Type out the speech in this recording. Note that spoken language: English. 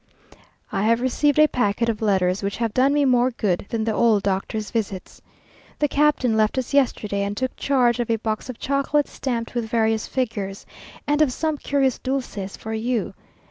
I have received a packet of letters which have done me more good than the old doctor's visits. The captain left us yesterday, and took charge of a box of chocolate stamped with various figures, and of some curious dulces for you.